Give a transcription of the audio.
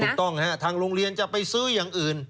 ถูกต้องฮะทางโรงเรียนจะไปซื้ออย่างอื่น